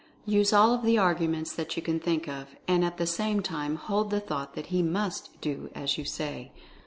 Use all of the arguments that you can think of, and at the same time hold the thought that he MUST do as you say.